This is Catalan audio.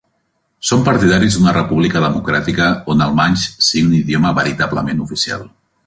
Són partidaris d'una república democràtica on el manx sigui un idioma veritablement oficial.